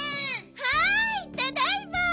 はいただいま！